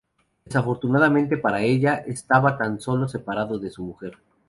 Desafortunadamente para ella, estaba tan solo separado de su mujer.